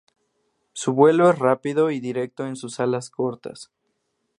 Su vuelo es rápido y directo en sus alas cortas.